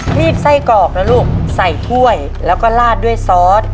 รีบไส้กรอกนะลูกใส่ถ้วยแล้วก็ลาดด้วยซอส